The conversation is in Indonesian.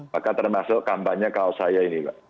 maka termasuk kampanye kalau saya ini